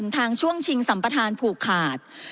ทางช่วงชิงสัมปทานผูกขาด